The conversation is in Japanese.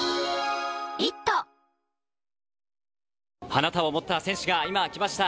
花束を持った選手が今、来ました。